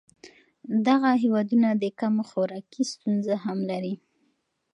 دغه هېوادونه د کم خوراکۍ ستونزه هم لري.